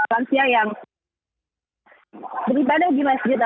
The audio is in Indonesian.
lansia yang relatif muda itu